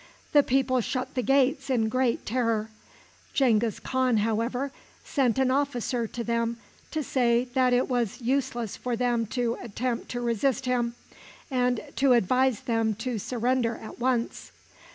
The people shut the gates in great terror. Genghis Khan, however, sent an officer to them to say that it was useless for them to attempt to resist him, and to advise them to surrender at once.